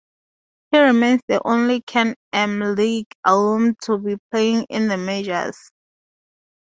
He remains the only Can-Am league alum to be playing in the Majors.